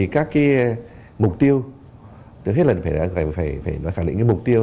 các mục tiêu tôi hết lần phải khẳng định mục tiêu